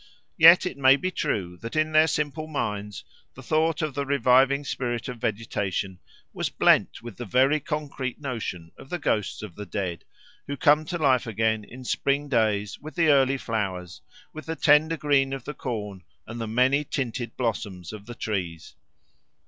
Yet it may be true that in their simple minds the thought of the reviving spirit of vegetation was blent with the very concrete notion of the ghosts of the dead, who come to life again in spring days with the early flowers, with the tender green of the corn and the many tinted blossoms of the trees.